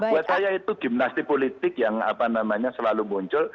buat saya itu gimnasti politik yang selalu muncul